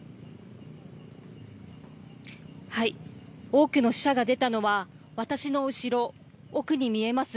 多くの死者が出たのは私の後ろ奥に見えます